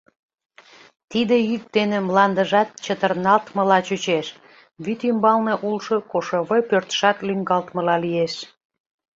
Тиде йӱк дене мландыжат чытырналтмыла чучеш, вӱд ӱмбалне улшо кошевой пӧртшат лӱҥгалтмыла лиеш.